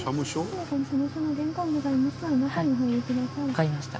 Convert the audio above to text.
わかりました。